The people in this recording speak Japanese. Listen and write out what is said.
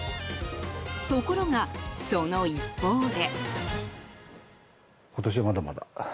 ところが、その一方で。